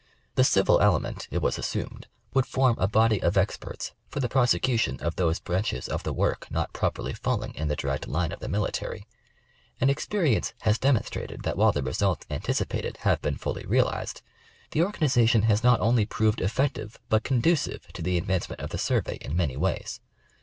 The civil element, it was assumed, would form a body of experts for the prosecution of those branches of the work not properly falling in the direct line of the military, and experience has demonstrated that while the results anticipated have been fully realized, the organization has not only proved effective but conducive to the advancement of the survey in many ways.